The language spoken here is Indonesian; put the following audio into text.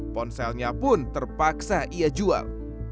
ponselnya pun terpaksa ia jual